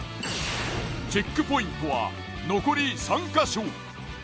チェックポイントは残り３か所。